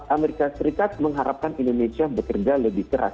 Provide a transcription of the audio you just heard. amerika serikat mengharapkan indonesia bekerja lebih keras